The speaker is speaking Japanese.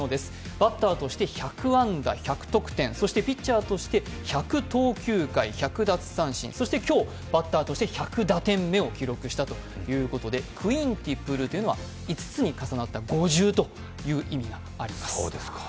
バッターとして１００安打、１００得点、そしてピッチャーとして１００投球回、１００奪三振そして今日、バッターとして１００打点目に到達したということで、クインティプルというのは５つに重なった五重という意味です。